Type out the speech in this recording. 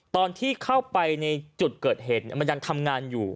ตอนที่เข้าไปในจุดเกิดเหตุมันยังทำงานอยู่